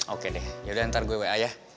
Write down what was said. oke deh yaudah ntar gue wa ya